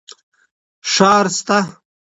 ښار سته.